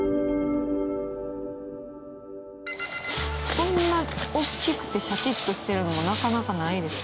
こんな大きくてシャキッとしてるのもなかなかないですよね。